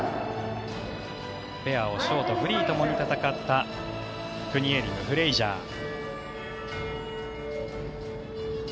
ペアをショートフリーともに戦ったクニエリム、フレイジャー。